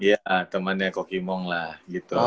iya temannya kokimong lah gitu